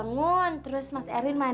aku tak tahu kenapa